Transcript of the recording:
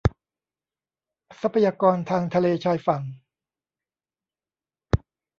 ทรัพยากรทางทะเลชายฝั่ง